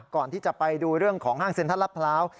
ก่อนที่จะไปดูเรื่องของห้างเซ็นทรัลลัดพร้าว